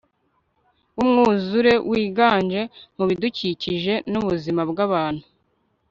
wumwuzure wiganje mubidukikije nubuzima bwabantu